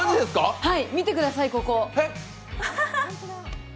見てください、ここ！